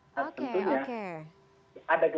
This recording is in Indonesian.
dan tentunya ada juga